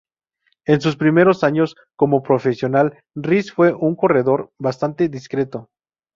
En sus primeros años como profesional, Riis fue un corredor bastante discreto.